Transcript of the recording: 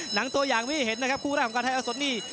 หนังตัวอย่างที่เห็นนะครับคู่แรกของการไทยเอาสดนี่